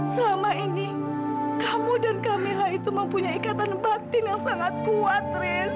selama ini kamu dan camilla itu mempunyai ikatan batin yang sangat kuat reze